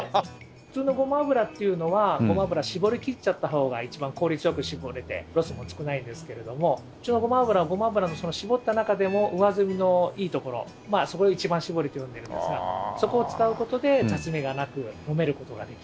普通のゴマ油っていうのはゴマ油搾りきっちゃった方が一番効率良く搾れてロスも少ないんですけれどもうちのゴマ油はゴマ油のその搾った中でも上ずみのいいところそれを一番搾りと呼んでるんですがそこを使う事で雑味がなく飲める事ができるという。